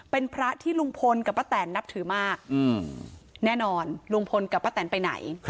เป็นพระที่ลุงพลกับป้าแตนนับถือมากแน่นอนลุงพลกับป้าแตนไปไหน